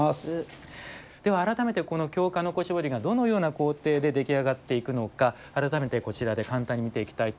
では改めてこの京鹿の子絞りがどのような工程で出来上がっていくのか改めてこちらで簡単に見ていきたいと思います。